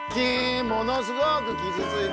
ものすごくきずついた！